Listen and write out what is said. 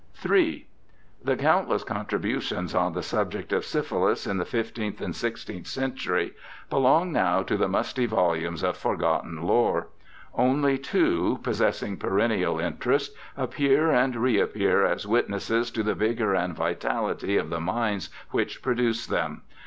Ill The countless contributions on the subject of syphilis in the fifteenth and sixteenth centuries belong now to the musty volumes of forgotten lore ; only two, possess ing perennial interest, appear and reappear as witnesses to the vigour and vitality of the minds which produced them.